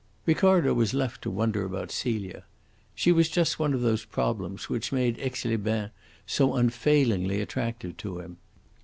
Ricardo was left to wonder about Celia. She was just one of those problems which made Aix les Bains so unfailingly attractive to him.